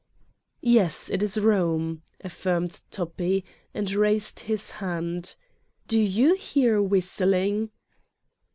"Yes, it is Rome," affirmed Toppi, and raised his hand: "do you hear whistling